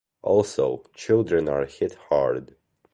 Also, children are hit hard.